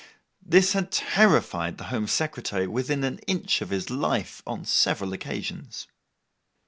This had terrified the Home Secretary within an inch of his life, on several occasions.